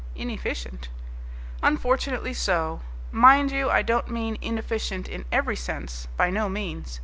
"Inefficient?" "Unfortunately so. Mind you, I don't mean 'inefficient' in every sense. By no means.